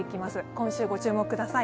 今週、ご注目ください。